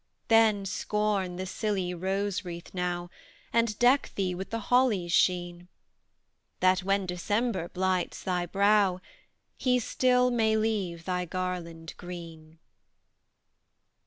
Then, scorn the silly rose wreath now, And deck thee with the holly's sheen, That, when December blights thy brow, He still may leave thy garland green.